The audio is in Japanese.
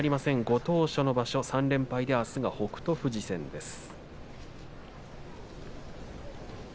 ご当所の場所３連敗であすは北勝富士戦です。